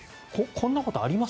こんなことあります？